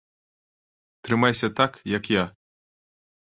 Трымайся так, як я!